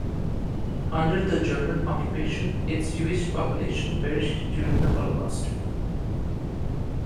Under the German occupation, its Jewish population perished during The Holocaust.